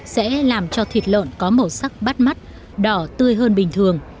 sẽ làm cho thịt lợn có màu sắc bắt mắt đỏ tươi hơn bình thường